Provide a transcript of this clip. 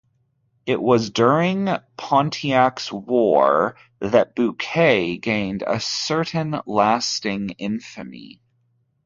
It was during Pontiac's War that Bouquet gained a certain lasting infamy.